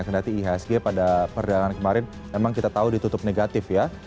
karena ihsg pada perdagangan kemarin memang kita tahu ditutup negatif ya